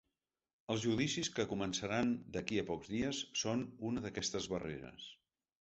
Els judicis que començaran d’aquí a pocs dies són una d’aquestes barreres.